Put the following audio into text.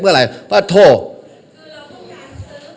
เพื่ออะไรเพราะเท้า